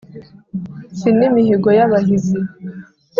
si n’imihigo y’abahizi